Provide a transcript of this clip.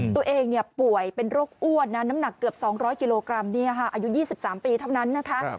ตัวเองป่วยเป็นโรคอ้วนนะน้ำหนักเกือบ๒๐๐กิโลกรัมอายุ๒๓ปีเท่านั้นนะคะ